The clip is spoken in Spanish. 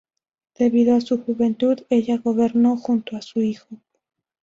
Debido a su juventud, ella gobernó junto a su hijo.